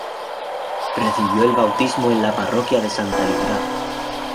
Recibió el bautismo en la Parroquia de Santa Librada.